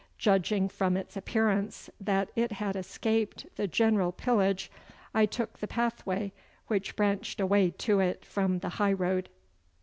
Judging from its appearance that it had escaped the general pillage, I took the pathway which branched away to it from the high road.